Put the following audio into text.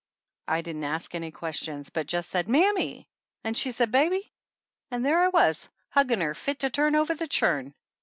I didn't ask any questions, but just said, "Mammy," and she said, "Baby," and there I was hugging her fit to turn over the churn.